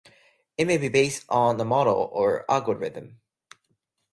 It may be based on a model or algorithm.